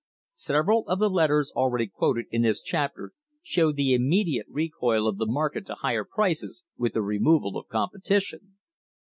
Sev eral of the letters already quoted in this chapter show the immediate recoil of the market to higher prices with the removal of competition.